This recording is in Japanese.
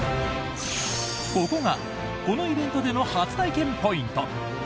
ここがこのイベントでの初体験ポイント